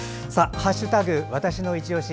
わたしのいちオシ」